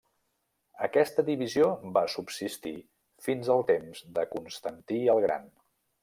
Aquesta divisió va subsistir fins al temps de Constantí el gran.